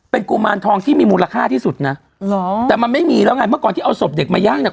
เป็นกุมารทองที่มีมูลค่าที่สุดนะเหรอแต่มันไม่มีแล้วไงเมื่อก่อนที่เอาศพเด็กมาย่างเนี่ย